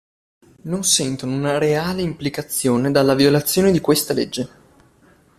Non sentono una reale implicazione dalla violazione di questa legge.